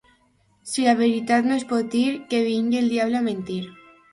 Si la veritat no es pot dir, que vingui el diable a mentir.